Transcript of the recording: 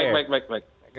baik baik baik